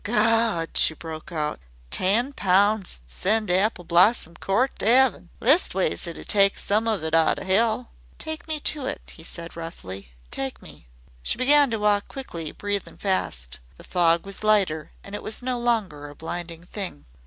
"Gawd!" she broke out; "ten pounds 'd send Apple Blossom Court to 'eving. Leastways, it'd take some of it out o' 'ell." "Take me to it," he said roughly. "Take me." She began to walk quickly, breathing fast. The fog was lighter, and it was no longer a blinding thing.